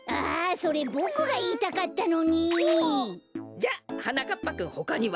じゃあはなかっぱくんほかには？